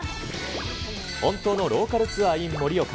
本当のローカルツアーｉｎ盛岡。